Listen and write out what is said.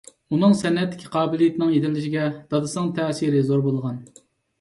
ئۇنىڭ سەنئەتتىكى قابىلىيىتىنىڭ يېتىلىشىگە دادىسىنىڭ تەسىرى زور بولغان.